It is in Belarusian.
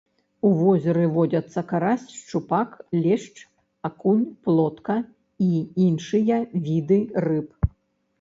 У возеры водзяцца карась, шчупак, лешч, акунь, плотка і іншыя віды рыб.